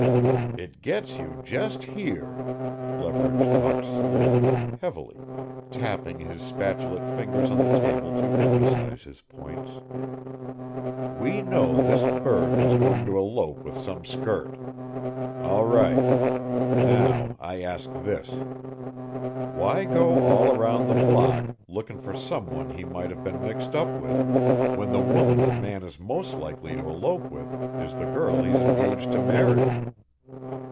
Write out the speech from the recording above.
"It gets you just here" Leverage talked slowly, heavily, tapping his spatulate fingers on the table to emphasize his points "we know this bird was going to elope with some skirt. All right! Now I ask this why go all around the block, looking for some one he might have been mixed up with, when the woman a man is most likely to elope with is the girl he's engaged to marry?"